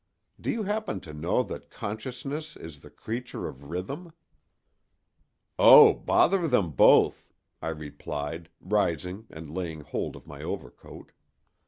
Do you happen to know that Consciousness is the creature of Rhythm?" "O bother them both!" I replied, rising and laying hold of my overcoat.